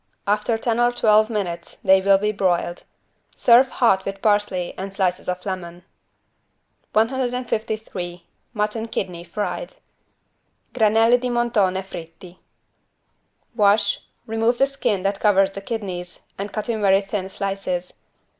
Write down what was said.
After ten or twelve minutes they will be broiled. Serve hot with parsley and slices of lemon. 153 MUTTON KIDNEY FRIED (Granelli di montone fritti) Wash, remove the skin that covers the kidneys and cut in very thin slices.